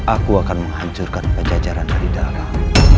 aku akan menghancurkan pejajaran dari dalam